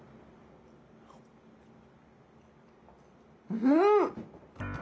うん！